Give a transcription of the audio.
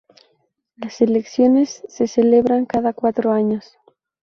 Las elecciones se celebraban cada cuatro años.